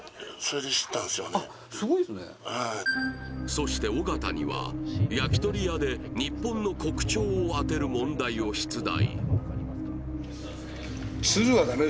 そして尾形には焼き鳥屋で日本の国鳥を当てる問題を出題